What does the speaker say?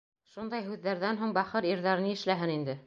Шундай һүҙҙәрҙән һуң бахыр ирҙәр ни эшләһен инде?